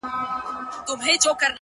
توره مي تر خپلو گوتو وزي خو ـ